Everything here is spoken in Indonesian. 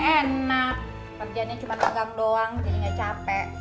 ini enak kerjanya cuma manggang doang jadi nggak capek